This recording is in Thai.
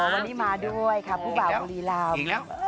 วันนี้มาด้วยค่ะผู้บ่าวบุรีรำ